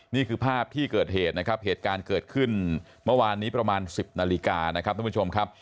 นี่คือภาพที่เกิดเหตุนะครับเหตุการณ์เกิดขึ้นเมื่อวานนี้ประมาณ๑๐นาฬิกานะครับท่านผู้ชมครับ